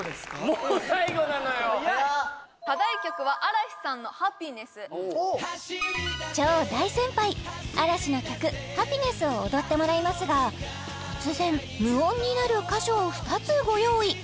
もう最後なのよ早い課題曲は嵐さんの「Ｈａｐｐｉｎｅｓｓ」超大先輩嵐の曲「Ｈａｐｐｉｎｅｓｓ」を踊ってもらいますが突然無音になる箇所を２つご用意